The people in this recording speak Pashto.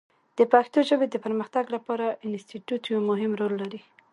د پښتو ژبې د پرمختګ لپاره انسټیټوت یو مهم رول لري.